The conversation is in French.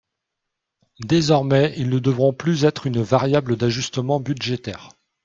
Désormais, ils ne devront plus être une variable d’ajustement budgétaire.